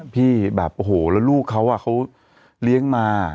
พี่แบบโอ้โหแล้วลูกเขาเขาเลี้ยงมา